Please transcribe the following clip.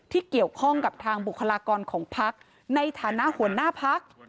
ที่เกี่ยวข้องกับทางบุคลากรของพักในฐานะหัวหน้าพัก